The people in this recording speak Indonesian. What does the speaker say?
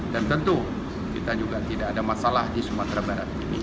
dan tentu kita juga tidak ada masalah di sumatera barat